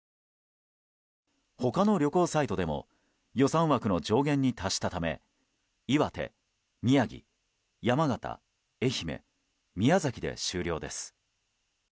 他の旅行サイトでも予算枠の上限に達したため岩手、宮城、山形、愛媛、宮崎で終了です。